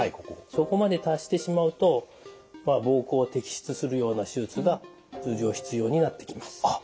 そこまで達してしまうと膀胱摘出するような手術が通常必要になってきます。